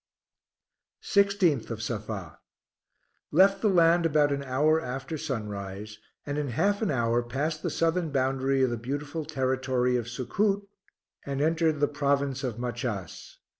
16th of Safa. Left the land about an hour after sunrise, and in half an hour passed the southern boundary of the beautiful territory of Succoot, and entered the province of Machass.